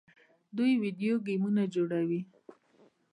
دوی ویډیو ګیمونه جوړوي.